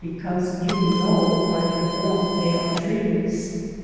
because you know by their form they are trees.